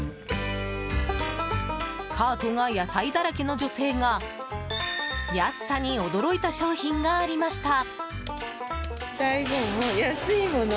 カートが野菜だらけの女性が安さに驚いた商品がありました。